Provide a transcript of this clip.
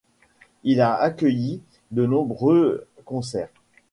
Il a accueilli de nombreux concerts.